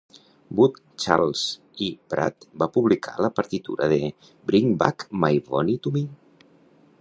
Wood, Charles E. Pratt va publicar la partitura de "Bring Back My Bonnie to Me".